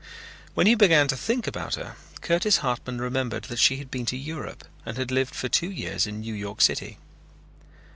When he began to think about her, Curtis Hartman remembered that she had been to Europe and had lived for two years in New York City.